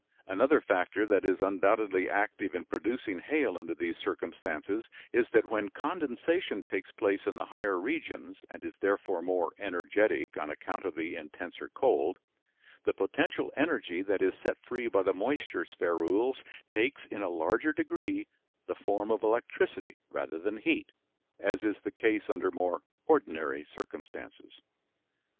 Another factor that is undoubtedly active in producing hail under these circumstances is that when condensation takes place in the higher regions, and is therefore more energetic on account of the intenser cold, the potential energy that is set free by the moisture spherules takes, in a larger degree, the form of electricity rather than heat, as is the case under more ordinary circumstances.